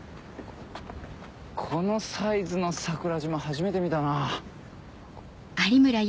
このサイズの桜島初めて見たな。